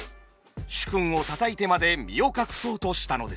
主君を叩いてまで身を隠そうとしたのです。